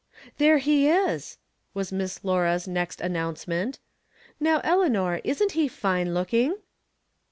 " There he is !" was Miss Laura's next an nouncement. "Now, Eleanor, isn't he fine looking?